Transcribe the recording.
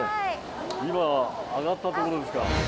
今揚がったところですか。